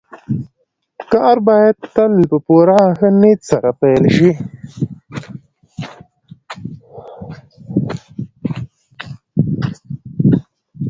کار بايد تل په پوره ښه نيت سره پيل شي.